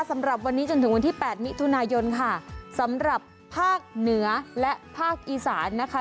สำหรับวันนี้จนถึงวันที่๘มิถุนายนค่ะสำหรับภาคเหนือและภาคอีสานนะคะ